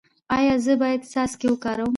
ایا زه باید څاڅکي وکاروم؟